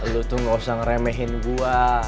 lu tuh gak usah ngeremehin gue